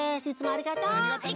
ありがとう！